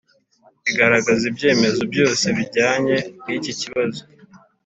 igaragaza ibyemezo byose bijyanye n iki kibazo